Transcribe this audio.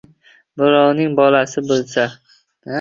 Birovning bolasi bo‘lsa...